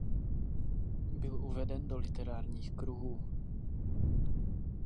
Byl uveden do literárních kruhů.